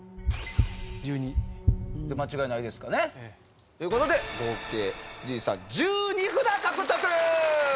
１２で間違いないですかね。という事で合計藤井さん１２札獲得！